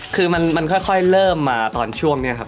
คือมันค่อยเริ่มมาตอนช่วงนี้ครับ